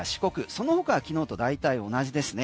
そのほかは昨日と大体同じですね